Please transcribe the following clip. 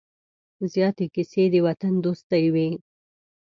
زیاتې کیسې د وطن دوستۍ وې.